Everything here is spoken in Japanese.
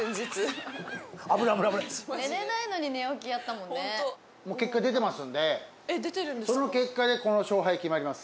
もう結果出てますんでその結果でこの勝敗決まります。